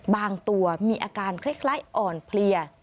บางตัวมีอาการคล้ายอ่อนเพลีย